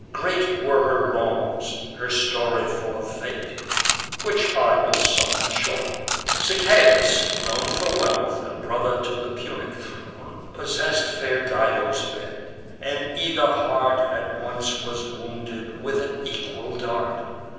Great were her wrongs, her story full of fate; Which I will sum in short. Sichaeus, known For wealth, and brother to the Punic throne, Possess'd fair Dido's bed; and either heart At once was wounded with an equal dart.